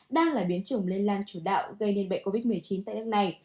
đang là biến chủng lên lang chủ đạo gây nên bệnh covid một mươi chín tại nước này